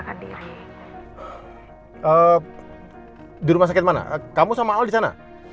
kamu sama al di sana